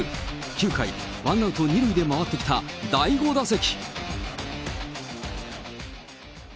９回、ワンアウト２塁で回ってきた第５打席。